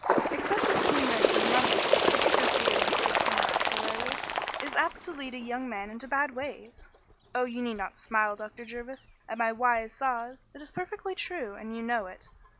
"Excessive keenness in money affairs," proceeded Miss Gibson oracularly, "is apt to lead a young man into bad ways oh, you need not smile, Dr. Jervis, at my wise saws; it is perfectly true, and you know it.